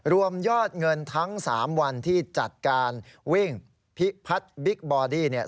รวมยอดเงินทั้ง๓วันที่จัดการวิ่งพิพัฒน์บิ๊กบอดี้เนี่ย